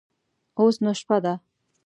اوس نو شپه ده.